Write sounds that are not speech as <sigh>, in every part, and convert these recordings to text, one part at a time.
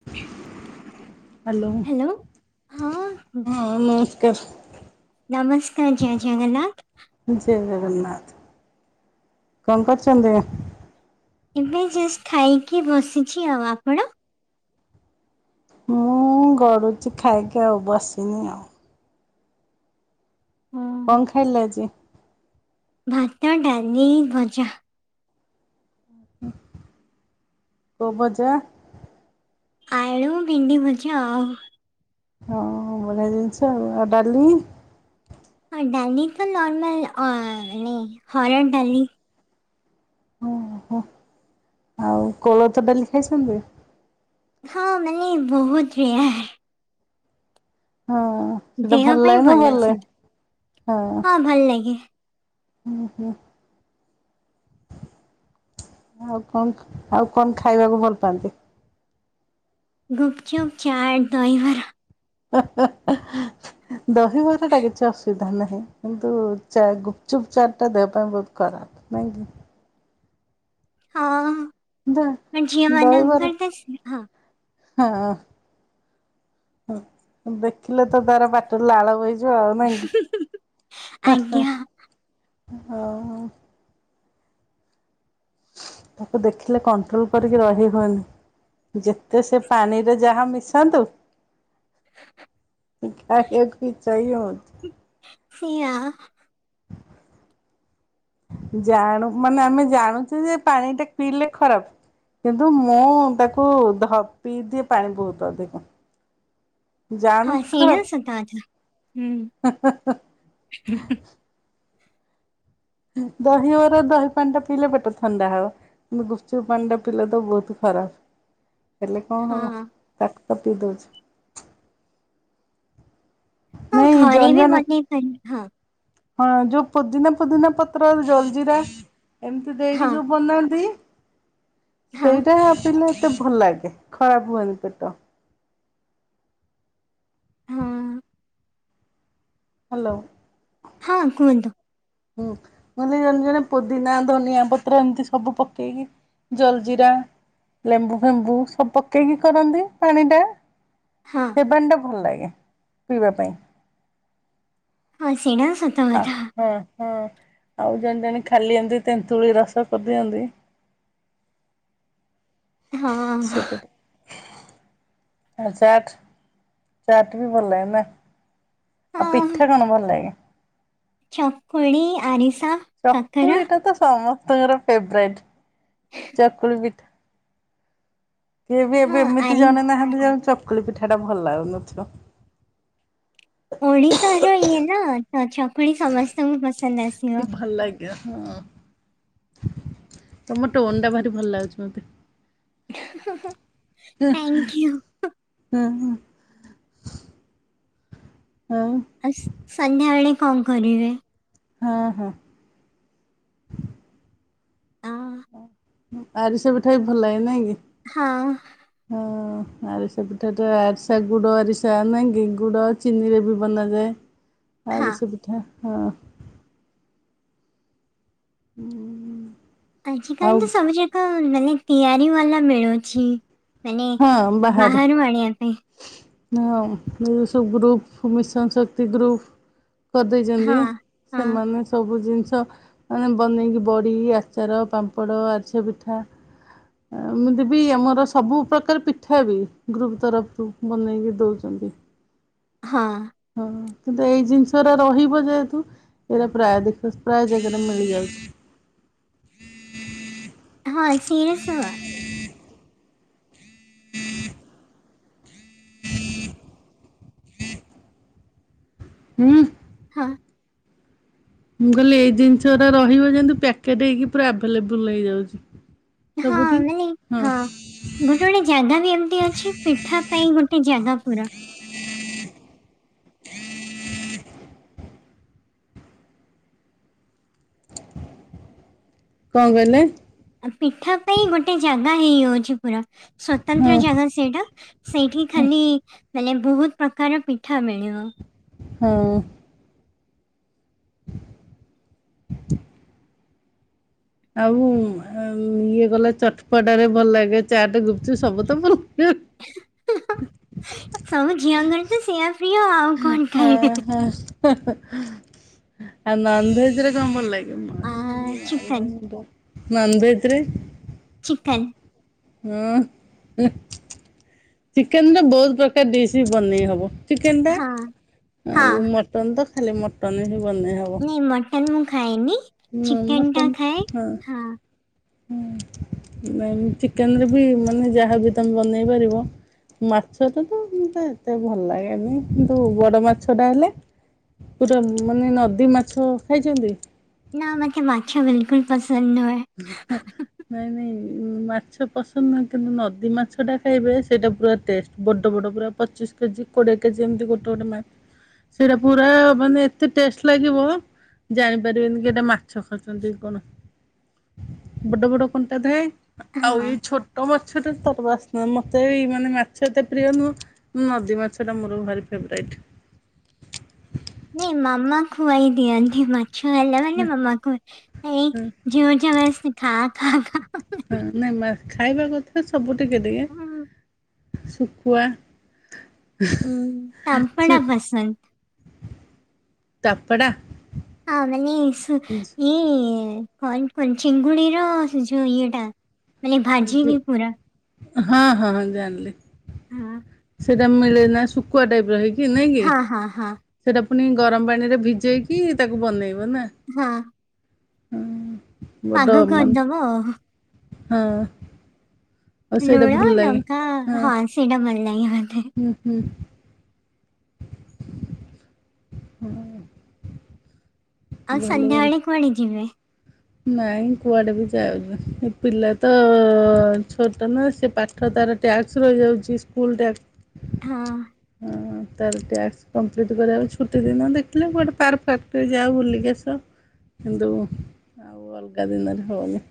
<inaudible> Hello ହଁ ନମସ୍କାର। ନମସ୍କାର ଜୟ ଜଗନ୍ନାଥ। ଜୟ ଜଗନ୍ନାଥ କଣ କରୁଛନ୍ତି? ଏବେ ଜଷ୍ଟ ଖାଇକି ବସିଛି ଆଉ ଆପଣ। ମୁଁ ଗଡୁଛି ଖାଇକି ଆଉ ବସିନି ଆଉ। ହଁ, କଣ ଖାଇଲେ ଆଜି? ଭାତ ଡାଲିି ଭଜା। ଉଁ ହୁଁ କୋଉ ଭଜା? ଆଳୁ ଭେଣ୍ଡି ଭଜା ଆଉ। ହଁ ହଁ ବଢିଆ ଜିନିଷ ଆଉ ଆଉ ଡାଲି। ହଁ ଡାଲି ତ ନର୍ମଲ ମାନେ ହରଡ ଡାଲି। ଓହୋ ଆଉ କୋଳଥ ଡାଲି ଖାଇଛନ୍ତି? ହଁ ମାନେ ବହୁତ ରେୟାର। ହଁ ସେଟା ଦେହ ଭଲ ପାଇଁ ଲାଗେ ନା ଭଲ ସେଟା ଲାଗେନି ହଁ। ଭଲ ଲାଗେ। ହୁଁ ହୁଁ। ଆଉ କଣ ଆଉ କଣ ଖାଇବାକୁ ଭଲ ପାଆନ୍ତି? ଗୁପଚୁପ୍ ଚାଟ୍ ଦହିବରା। ହେଁ ହେଁ ହଁ। <inaudible> ଦହିବରାଟା କିଛି ଅସୁବିଧା ନାହିଁ କିନ୍ତୁ ଚା ଗୁପଚୁପ୍ ଚାଟଟା ଦେହ ପାଇଁ ବହୁତ୍ ଖରାପ। ନାଇଁ କି? ହଁ ଝିଅ ଦହିବରା ମାନଙ୍କର ତ ହଁ ହଁ ଦେଖିଲେ ତ ତାର ପାଟିରୁ ଲାଳ ବହି ଯିବ ଆଉ ନାକି ହା ଆଜ୍ଞା ହା ଆଉ। ତାକୁ ଦେଖିଲେ କଣ୍ଟ୍ରୋଲ କରିକି ରହି ହୁଏନି। ଯେତେ ସେ ପାଣିରେ ଯାହା ମିଶାନ୍ତୁ। କିନ୍ତୁ ଖାଇବାକୁ ଇଛା ହିଁ ହଉଚି। ସେୟା। <inaudible> ଜାଣୁ ମାନେ ଆମେ ଜାଣୁଛୁ ଯେ ପାଣି ଟା ପିଇଲେ ଖରାପ। କିନ୍ତୁ ମୁଁ ତାକୁ ଧ ପିଇ ଦିଏ ପାଣି ବହୁତ ଅଧିକ। ହଁ ଜାଣୁଛି ସେଇଟା ତ ସତ କଥା ହୁଁ। ହା-ହା-ହା। <inaudible> ଦହିବରା ଦହି ପାଣି ଟା ପିଇଲେ ପେଟ ଥଣ୍ଡା ହବ। କିନ୍ତୁ ଗୁପଚୁପ୍ ପାଣିଟା ପିଲା ତ ବହୁତ ଖରାପ। ହେଲେ କଣ ହବ ହଁ। ତାକୁ ତ ପିଇ ଦଉଚୁ। ହଁ ନାଇଁ ଘରେ ଜଣେ ବି ଜଣେ ବନେଇ ପାରିବ ହଁ। ହଁ ଯୋଉ ପୋଦିନା ଫୋଦିନା ପତ୍ରରୁ ଜଲଜିରା ଏମତି ଦେଇକି ଯୋଉ ବନାନ୍ତି ସେଇଟା ପିଇଲେ ଏତେ ଭଲ ଲାଗେ ଖରାପ ହୁଏନି ପେଟ। ହାଲୋ। ହଁ କୁହନ୍ତୁ। ହୁଁ ମାନେ ଜଲଜିରା ପୋଦିନା ଧନିଆ ପତ୍ର ଏମତି ସବୁ ପକେଇକି ଜଲଜିିରା ଲେମ୍ବୁ ଫେମ୍ବୁ ସବୁ ପକେଇକି କରନ୍ତି ପାଣିଟା। ସେ ପାଣିଟା ଭଲ ଲାଗେ ପିଇବା ପାଇଁ। <unintelligible> ହା ହା ହା ଆଉ ଜଣେ ଜଣେ ଖାଲି ଏମତି ତେନ୍ତୁଳି ରସକୁ ଦିଅନ୍ତି। ସେଇଟା ତ ଆଉ ଚାଟ୍ ଚାଟ୍ ବି ଭଲ ଲାଗେ ନା। ଆଉ ପିଠା କଣ ଭଲ ଲାଗେ? ଚକୁଳି ଆରିସା କାକରା ଚକୁଳିଟା ତ ସମସ୍ତଙ୍କର ଫେବ୍ରାଇଟ୍ ଚକୁଳି ପି କିଏ ବି ଏବେ ହଁ ଏମିତି ଆରି ଜଣେ ନାହାନ୍ତି ହଁ, ଯାହାକୁ ଚକୁଳି ପିଠାଟା ଭଲ ଲାଗୁନଥିବ। ଓଡିଶାରେ ଇଏ ନା ତ ଚକୁଳି ସମସ୍ତଙ୍କୁ ପସନ୍ଦ ଆସିବ। ଏ ହଁ ତମ ଟୋନଟା ଭାରି ଭଲ ଲାଗୁଛି ମତେ। ଇହଁ ହଁ ହଁ। ହୁଁ। <unintelligible> ହଉ। ଆସ୍ ସନ୍ଧ୍ୟାବେଳେ କଁ କରିବେ? ହଁ ହଁ। ଆଁ ଉଁ ଆରିସା ପିଠା ବି ଭଲ ଲାଗେ ନାଇଁ କି। ହଁ। ହଁ ଆରିସା ପିଠା ତ ଆରିସା ଗୁଡ ଆରିସା ନାଇଁ କି ଗୁଡ ଚିନିରେ ବି ବନାଯାଏ। <unintelligible> ଆରିସା ପିଠା ହଁ। ହୁଁ ଆଜ କାଲି ତ ସବୁ ଯାକ ମାନେ ତିଆରି ବାଲା ମିଳୁଛି। ହଁ ବାହାରେ। ମୁ ଆଣିଆ ପେଇଁ। <unintelligible> ଯୋଉ ସବୁ ଗ୍ରୁପ୍ ମିଶନ ଶକ୍ତି ଗ୍ରୁପ୍ କରି ହଁ ଦେଇଛନ୍ତି ହଁ ସେମାନେ ସବୁ ଜିନିଷ ମାନେ ବନେଇକି ବଡି ଆଚାର ପାମ୍ପଡ ଆରିସା ପିଠା ଆ ଏମିତି ବିି ଆମର ସବୁ ପ୍ରକାର ପିଠା ବି ଗ୍ରୁପ୍ ତରଫ ରୁ ବନେଇକି ଦଉଚନ୍ତି। ହଁ। ହଁ କିନ୍ତୁ ଏଇ ଜିନିଷରା ରହିବ ଯେହେତୁ ଏଇରା ପ୍ରାୟ ଦେଖୁଚ୍ ପ୍ରାୟ ଜେଗାରେ ମିଳିଯାଉ ହଁ ସିରିଏସ୍ ହୁଅ। ହୁଁ। ହାଁ। ମୁଁ କହିଲି ଏଇ ଜିନିଷରା ରହିବ ଯେମତି ପ୍ୟାକେଟ୍ ହେଇକି ପୁରା ଆଭେଲେବୁଲ୍ ହେଇଯାଉଛି। ହଁ ସବୁଠି <unintelligible> ହଁ ଗୋଟେ ଗୋଟେ ଜାଗା ବି ଏମତି ଅଛି। ପିଠା ପାଇଁ ଗୋଟେ ଜାଗା ପୁରା। କଁ କହିଲେ? ଆ ପିଠା ପାଇଁ ଗୋଟେ ଜାଗା ହେଇଯାଉଛି ପୁରା ହଁ ସ୍ଵତନ୍ତ୍ର ଜାଗା ସେଇଟା। ସେଇଠି ଖାଲି ମାନେ ବହୁତ ପ୍ରକାର ର‌ ପିଠା ମିଳିବ। ହଁ। <inaudible> ଆଉ ଏଁ ଇଏ ଗଲା ଚଟପଟା ରେ ଭଲ ଲାଗେ ଚାଟ୍ ଗୁପ୍ ଚୁପ୍ ସବୁ ତ ମୋର ଫେ ସବୁ ଝିଅଙ୍କର ତ ସେୟା। ହାଁ ହାଁ ହେ ହେ ଆଉ ନନଭେଜରେ କଣ ଭଲ ଲାଗେ। ଆ ଚିକେନ୍ ନନଭେଜ୍ ରେ। ଚିକେନ୍। ହୁଁ ହେଁ ଚିକେନ୍ ରେ ବହୁତ ପ୍ରକାର ଡିସ୍ ବି ବନେଇ ହବ। ଚିକେନ୍ ଟା ହଁ ହଁ ଆଉ ମଟନ୍ ତ ଖାଲି ମଟନ୍ ରେ ହିଁ ବନେଇ ହବ। ନା ମଟନ୍ ମୁଁ ଖାଏନି ଚିକେନ୍ ଟା ଖାଏ ହଁ। ହୁଁ ନାଇଁ ମୁଁ ଚିକେନରେ ବି ମାନେ ଯାହାବି ତମେ ବନେଇ ପାରିବ। ମାଛଟା ତ ମତେ ଏତେ ଭଲ ଲାଗେନି କିନ୍ତୁ ବଡ ମାଛ ଟା ହେଲେ। ପୁରା ମାନେ ନଦୀ ମାଛ ଖାଇଛନ୍ତି। ନା ମତେ ମାଛ ବିଲକୁଲ ପସନ୍ଦ ନୁହେଁ। <unintelligible> ନାଇଁ ନାଇଁ ମାଛ ପସନ୍ଦ ନୁହେଁ କିନ୍ତୁ ନଦୀ ମାଛ ଟା ଖାଇବେ ସେଇଟା ପୁରା ଟେଷ୍ଟ। ବଡ଼ ବଡ଼ ପୁରା ପଚିଶ କେଜି କୋଡ଼ିଏ କେଜି ଏମିତି ଗୋଟେ ଗୋଟେ ମା ସେଇରା ପୁରା ମାନେ ଏତେ ଟେଷ୍ଟ ଲାଗିବ। ଜାଣି ପାରିବେନି କି ଏଇଟା ମାଛ ଖାଉଛନ୍ତି କଣ। ବଡ ବଡ କଣ୍ଟା ଥାଏ ହଁ ଆଉ ଏଇ ଛୋ ଟ ମାଛ ଟା ତାର ବାସ୍ନା ମତେ ବି ମାନେ ମାଛ ଏତେ ପ୍ରିୟ ନୁହଁ। ନଦୀ ମାଛ ଟା ମୋର ଭାରି ଫେବରାଇଟ। ନାଇଁ ମାମା ଖୁଆଇ ଦିଅନ୍ତି ମାଛ ହେଲା ମାନେ ହଁ ମାମା ଖୁଆଇ ଏଇ। ଜୋର୍ ଜବରଦସ୍ତି ଖା ଖା ଖା। ହଁ ନାଇଁ ମା ଖାଇବା କଥା ସବୁ ଟିକେ ଟିକେ ଶୁଖୁଆ। ତପେଡ଼ା। ହଁ ମାନେ ସୁ ଇଏ କଣ କୁହନ୍ତି ଚିଙ୍ଗୁଡି ର ସେ ଯୋଉ ଇଏଟା। ଏ ଯୋଉ ହଁ ହଁ ଜାଣିଲି। ସେଇଟା ମିଳେ ନା ଶୁଖୁଆ ଟାଇପ ର ହେଇକି ନାଇଁ କି। ସେଇଟା ପୁଣି ଗରମ ପାଣି ରେ ଭିଜେଇକି ତାକୁ ବନେଇବ ନା। ହଁ। ହୁଁ। ପାଗ କରି ଦବ। ହଁ। ଆଉ ସେଇଟା ଲୁଣ ଭଲ ଲାଗେ ଲଙ୍କା ହଁ ସେଇଟା ଭଲ ଲାଗେ ମୋତେ। ଉଁ ହୁଁ। ହୁଁ। ଆଉ ସନ୍ଧ୍ୟା ଭଲ। ବେଳେ କୁଆଡେ ଯିବେ। ନାଇଁ କୁଆଡେ ବି ଯାଉନି ଏ ପିଲା ତ ଛୋଟ ନା ସେ ପାଠ୍ ଠ ତାର ଟ୍ୟାକ୍ସ ରହି ଯାଉଛି ସ୍କୁଲ ଟ୍ୟାକ୍ସ। ହଁ। ହଁ ତାର ଟ୍ୟାସ୍କ କମ୍ପ୍ଲିଟ୍ କରିବାକୁ ଛୁଟି ଦିନ ଦେଖିଲେ କୁଆଡେ ପାର୍କ ଫାର୍ ଟିକେ ଯାଉ ବୁଲିକି ଆସୁ। କିନ୍ତୁ ଆଉ ଅଲଗା ଦିନରେ ହଉନି।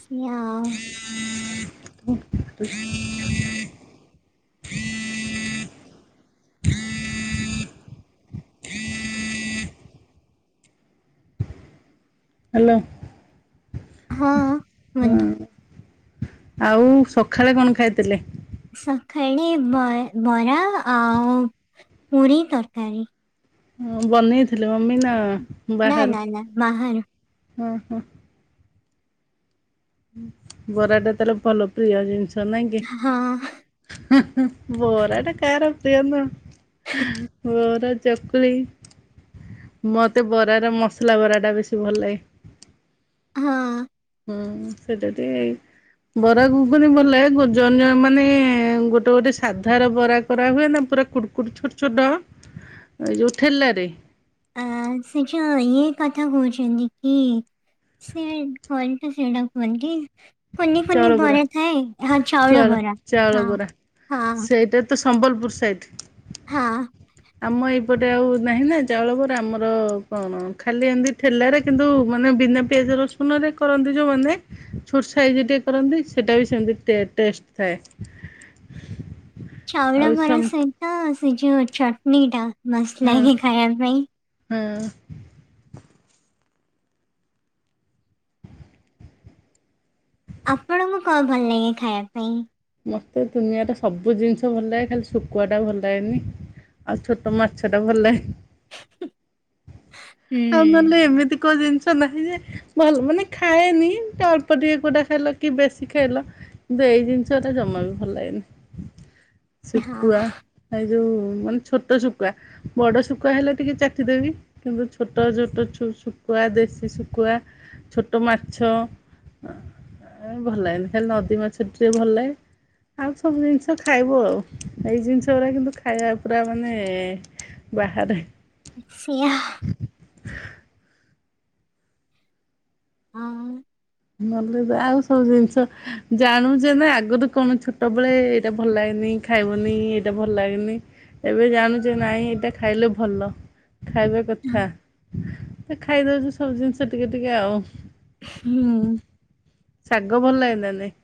ସେଇଆ। ଘୁ ହାଲୋ ହଁ। ବନ୍ଧୁ ଆଉ ସଖାଳେ କଣ ଖାଇଥିଲେ। ସଖାଳେ ବ ବରା ଆଉ ପୁରୀ ତରକାରୀ। ଓ ବନେଇ ଥିଲ ମମି ନା। ନା ବାହାରୁ? ନା ନା ବାହାରୁ। ହଁ ହଁ। ପରାଟା ତାର ଭଲ ପ୍ରିୟ ଜିନିଷ ନାଇଁ କି? ହଁ ହ ହ ବରା ଟା କାହାର ପ୍ରିୟ ନୁହ ବରା ଚକୁଳି ମତେ ବରା ର ମସଲା ବରା ଟା ବେଶୀ ଭଲ ଲାଗେ। ହଁ। ହୁଁ ସେଇଟା ଟିକିଏ ବରା ଘୁଗୁନି ଭଲ ଲାଗେ ଜଣେ ଜଣେ ମାନେ ଗୋଟେ ଗୋଟେ ସାଧାର ବରା କରା ହୁଏ। ନା ପୁରା କୁଡ କୁଟ ଛୋଟ ଛୋଟ ଏ ଯେଉଁ ଠେଲାରେ ସେଯୋଉ ଇଏ କଥା କହୁଛନ୍ତି କି? ସେ ଘରେ ତ ସେଇଟା କୁହନ୍ତି। କୁନି କୁନି ବରା ଥାଏ ହଁ ଚାଉଳ ବରା ହଁ ହଁ। ତୁ ସମ୍ବଲପୁର ସାଇଟ୍? ହଁ। ଆମ ଏଇପଟେ ଆଉ ନାହିଁ ନା ଚାଉଳବରା ଆମର କଣ ଖାଲି ଏମିତି ଠେଲାରେ କିନ୍ତୁ ମାନେ ବିନା ପିଆଜ ରସୁନ ରେ କରନ୍ତି ଯୋଉମାନେ ଛୋଟ ସାଇଜ ଟିକେ କରନ୍ତି। ସେଇଟା ବି ସେମିତି ଟେଷ୍ଟ ଥାଏ। ଚାଉଳ ଆଉ ବରା ସମ୍ ସହିତ ସେ ଯଉ ଚଟଣି ଟା ହଁ ବାସ୍ନା ଖାଇବା ପାଇଁ। ହଁ। ଆପଣଙ୍କୁ କଣ ଭଲ ଲାଗେ ଖାଇବା ପାଇଁ? ମତେ ଦୁନିଆରେ ସବୁ ଜିନିଷ ଭଲ ଲାଗେ। ଖାଲି ଶୁଖୁଆ ଟା ଭଲ ଲାଗେନି। ଆଉ ଛୋଟ ମାଛଟା ଭଲ ଲା ଆଉ ହୁଁ ନହେଲେ ଏମିତି କୋ ଜିନିଷ ନାହିଁ ଯେ ଭଲ ମାନେ ଖାଏନି ଅଳ୍ପ ଟିକେ କୁଟା ଖାଇଲ କି ବେଶି ଖାଇଲ କିନ୍ତୁ ଏଇ ଜିନିଷଟା ଜମା ବି ଭଲ ଲାଗେନି। ହଁ ଶୁକୁଆ ଏଇ ଯୋଉ ମାନେ ଛୋଟ ଶୁକୁଆ ବଡ ଶୁକୁଆ ହେଲେ ଟିକେ ଚାଟିଦେବି। କିନ୍ତୁ ଛୋଟ ଜୋଟ ଛୋ ଶୁକୁଆ ଦେଶୀ ଶୁକୁଆ ଛୋଟ ମାଛ ଆ ଭଲ ଲାଗେନି ଖାଲି ନଦୀ ମାଛ ଟିକେ ଭଲ ଲାଗେ। <unintelligible> ଆଉ ସବୁ ଜିନିଷ ଖାଇବୁ ଆଉ, ଏଇ ଜିନିଷ ଗୁରା କିନ୍ତୁ ଖାଇବା ପୁରା ମାନେ ବାହାରେ ସୋ ଇ ହା ହଁ। ନହେଲେ ଯାଆ ଆଉ ସବୁ ଜିନିଷ ଜାଣୁଛେ ନା ଆଗରୁ କଣ ଛୋଟ ବେଳେ ଏଇଟା ଭଲ ଲାଗେନି ଖାଇବୁନି ଏଇଟା ଭଲ ଲାଗେନି। ଏବେ ଜାଣୁଛେ ନାଇଁ ଏଇଟା ଖାଇଲେ ଭଲ। ଖାଇବା କଥା ଖାଇଦଉଚୁ ସବୁ ଜିନିଷ ଟିକେ ଟିକେ ଆଉ। ହୁଁ। ଶାଗ ଭଲ ଲାଗେ ନା ନାଇଁ?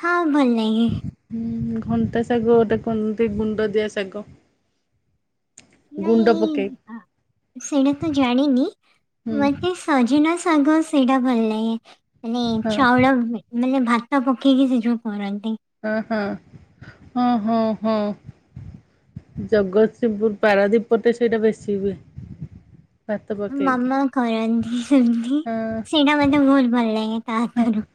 ହଁ ଭଲ ନାଗେ। ହୁଁ ଘଣ୍ଟା ଶାଗ ଗୋଟେ କୁନ୍ତି ଗୁଣ୍ଡଦିଆ ଶାଗ। ଗୁଣ୍ଡ ନାଇଁ ପକେଇ ଆ, ସେଇଟା ତ ଜାଣିନି ହୁଁ ମତେ ସଜନା ଶାଗ ସେଇଟା ଭଲ ଲାଗେ। ମାନେ ହଁ ଚାଉଳ ମାନେ ଭାତ ପକେଇକି ସେ ଯୋଉ କରନ୍ତି ହଁ ହଁ ହୁଁ ହୁଁ ହୁଁ। ଜଗତସିଂହପୁର ପାରାଦୀପ ପଟେ ସେଇଟା ବେଶୀ ହୁଏ। ଭାତ ପକେଇକି ମାମା କରନ୍ତି ସେମିତି ହଁ ସେଇଟା ମତେ ବହୁତ ଭଲ ଲାଗେ ତା ହାତୁରୁ।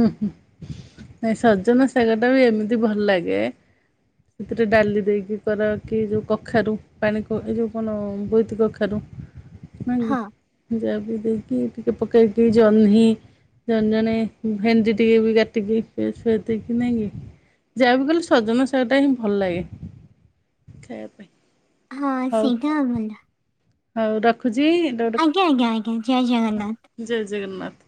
ଉ ହୁଁ ନାଇ ସଜନା ଶାଗଟା ବି ଏମିତି ଭଲ ଲାଗେ। ସେଥିରେ ଡାଲି ଦେଇକି କର କି ଯଉ କଖାରୁ ପାଣି କ ଏ ଯଉ କଣ ବୋଇତି କଖାରୁ? ନା ହଁ କି ଯାଆବି ଦେଇକି ଟିକେ ପକେଇକି ଜହ୍ନି ଜଣେ ଜଣେ ଭେଣ୍ଡି ଟିକେବି କାଟିକି ପିଆଜ ଫିଆଜ ଦେଇକି ନାକି ଯାଆବି କଲେ ସଜନା ଶାଗଟାହିଁ ଭଲ ଲାଗେ ଖାଇବା ପାଇଁ। ହଁ ହଉ ସେଇଟା ଭଲ। ହଉ ରଖୁଚି ର ଆଜ୍ଞା ଆଜ୍ଞା ଆଜ୍ଞା ଜୟ ଜଗନ୍ନାଥ। ଜୟ ଜଗନ୍ନାଥ।